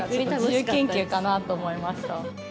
自由研究かなと思いました。